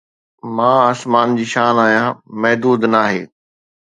مان آسمان جي شان آهيان، محدود ناهي